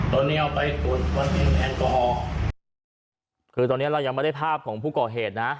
ตอนนี้เอาไปตรวจแอลกอฮอล์คือตอนเนี้ยเรายังไม่ได้ภาพของผู้ก่อเหตุนะ